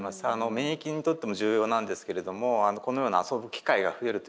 免疫にとっても重要なんですけれどもこのような遊ぶ機会が増えるということはですね